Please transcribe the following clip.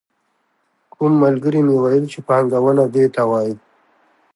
کوم ملګري مې ویل چې پانګونه دې ته وايي.